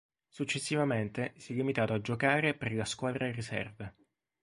Successivamente, si è limitato a giocare per la squadra riserve.